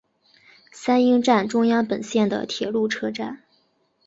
三鹰站中央本线的铁路车站。